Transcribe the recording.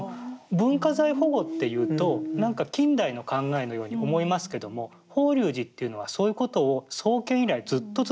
文化財保護っていうとなんか近代の考えのように思いますけども法隆寺っていうのはそういうことを創建以来ずっと続けてきてる。